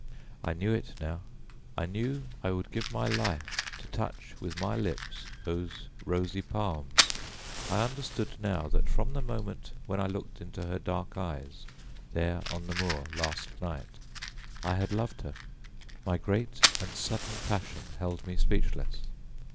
I knew it now. I knew I would give my life to touch with my lips those rosy palms I understood now that from the moment when I looked into her dark eyes there on the moor last night I had loved her. My great and sudden passion held me speechless.